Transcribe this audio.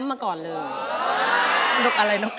สวัสดีครับ